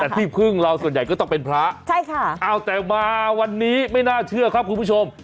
แต่ที่พึ่งเราส่วนใหญ่ก็ต้องเป็นพระใช่ค่ะอ้าวแต่มาวันนี้ไม่น่าเชื่อครับคุณผู้ชม